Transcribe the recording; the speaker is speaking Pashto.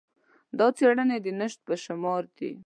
دا څېړنې د نشت په شمار دي.